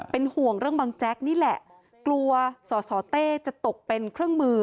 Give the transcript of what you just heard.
เป็นห่วงเรื่องบังแจ๊กนี่แหละกลัวสสเต้จะตกเป็นเครื่องมือ